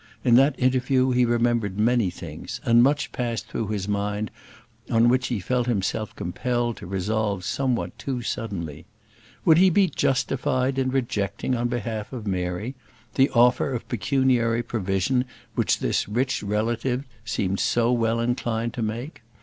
In that interview he remembered many things, and much passed through his mind on which he felt himself compelled to resolve somewhat too suddenly. Would he be justified in rejecting, on behalf of Mary, the offer of pecuniary provision which this rich relative seemed so well inclined to make?